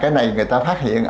cái này người ta phát hiện